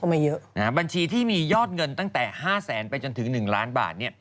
แต่บัญชีที่มียอดเงินตั้งแต่๕แสนไปจนถึง๑ล้านบาท